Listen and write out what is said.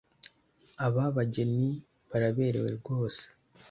Aba bageni baraberewe rwose